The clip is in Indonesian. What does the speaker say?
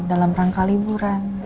bukan dalam rangka liburan